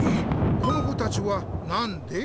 この子たちはなんで？